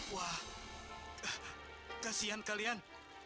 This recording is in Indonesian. wah kasihan kalian